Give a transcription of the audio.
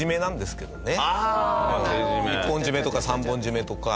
一本締めとか三本締めとか。